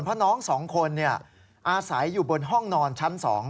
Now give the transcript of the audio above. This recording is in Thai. เพราะน้อง๒คนอาศัยอยู่บนห้องนอนชั้น๒